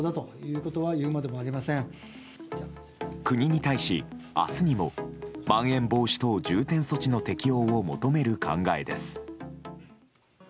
国に対し、明日にもまん延防止等重点措置の適用を求める考えです。